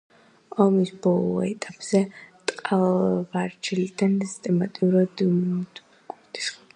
ომის ბოლო ეტაპზე, ტყვარჩელიდან სისტემატურად იბომბებოდა კოდორის ხეობა.